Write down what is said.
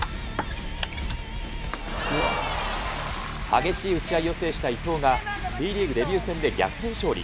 激しい打ち合いを制した伊藤が、Ｔリーグデビュー戦で逆転勝利。